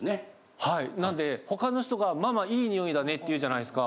はいなんで他の人がママいい匂いだねって言うじゃないですか。